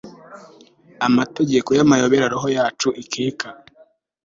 Amategeko yamayobera roho yacu ikeka